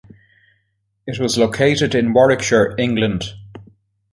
It was located in Warwickshire, England.